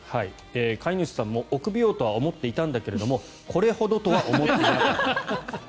飼い主さんも臆病とは思っていたんだけれどこれほどとは思っていなかった。